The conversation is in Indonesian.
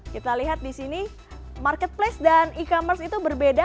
kita lihat di sini marketplace dan e commerce itu berbeda